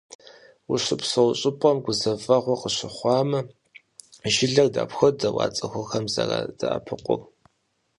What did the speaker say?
Ущыпсэу щӏыпӏэм гузэвэгъуэ къыщыхъуамэ, жылэр дапхуэдэу а цӏыхухэм зэрадэӏэпыкъур?